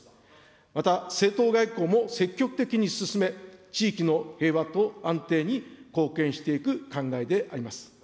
また、政党外交も積極的に進め、地域の平和と安定に貢献していく考えであります。